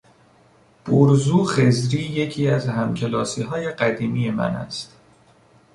برزو خضری یکی از همکلاسیهای قدیمی من است.